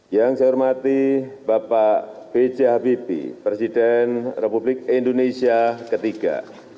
yang saya hormati bapak b j habibie presiden republik indonesia ketiga